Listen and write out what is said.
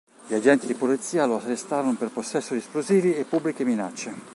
Gli agenti di polizia lo arrestarono per possesso di esplosivi e pubbliche minacce.